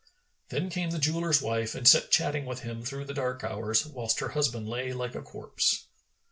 Then came the jeweller's wife and sat chatting with him through the dark hours, whilst her husband lay like a corpse.